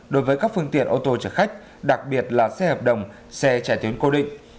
đối với các phương tiện ô tô chở khách đặc biệt là xe hợp đồng xe chạy tuyến cố định